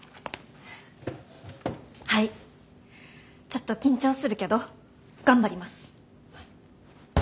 ちょっと緊張するけど頑張ります！